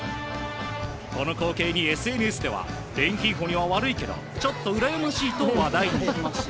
この光景にＳＮＳにはレンヒーフォには悪いけどちょっとうらやましいと話題に。